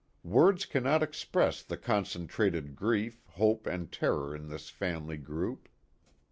Words cannot express the concentrated grief, hope and terror in this family group.